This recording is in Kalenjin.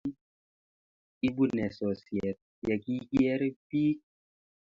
ibu ne sosyet ya kikier biik?